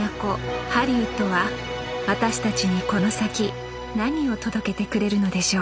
ハリウッドは私たちにこの先何を届けてくれるのでしょう